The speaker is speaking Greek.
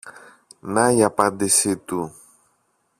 Να η απάντηση του!